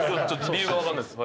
・理由が分かんないっす。